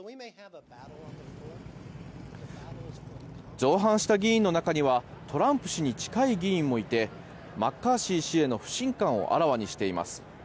造反した議員の中にはトランプ氏に近い議員もいてマッカーシー氏への不信感をあらわにしています。